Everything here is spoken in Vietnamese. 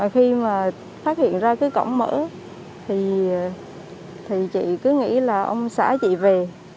thì chị cứ nghĩ là ông xã chị về